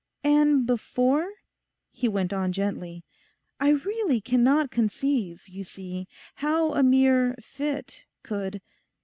'And before—?' he went on gently; 'I really cannot conceive, you see, how a mere fit could...